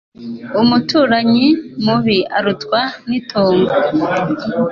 Umuturanyi mubi arutwa n'itongo